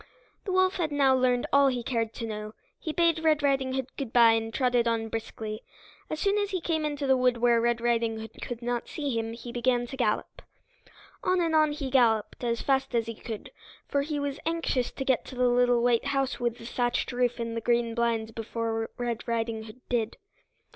The wolf had now learned all he cared to know. He bade Red Riding Hood good by and trotted on briskly. As soon as he came into the wood where Red Riding Hood could not see him he began to gallop. On and on he galloped as fast as he could, for he was anxious to get to the little white house with the thatched roof and the green blinds before Red Riding Hood did.